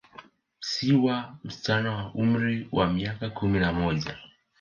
Siwa, msichana wa umri wa miaka kumi na moja.